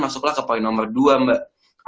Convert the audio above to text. masuklah ke poin nomor dua mbak